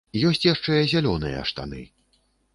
Ёсць яшчэ зялёныя штаны.